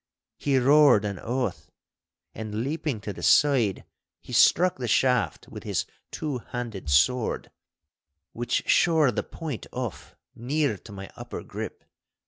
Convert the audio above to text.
He roared an oath, and leaping to the side, he struck the shaft with his two handed sword, which shore the point off near to my upper grip.